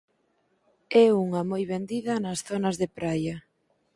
É unha moi vendida nas zonas de praia.